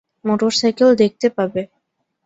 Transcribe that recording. Motorcycle দেখতে পাবে।